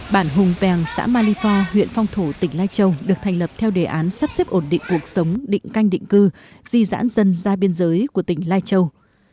bản hùng pèng xã malifor huyện phong thổ tỉnh lai châu được thành lập theo đề án sắp xếp ổn định cuộc sống định canh định cư di dãn dân ra biên giới của tỉnh lai châu